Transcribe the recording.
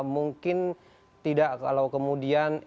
mungkin tidak kalau kemudian